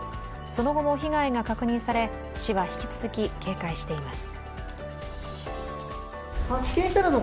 その後も被害が確認され市は引き続き警戒しています。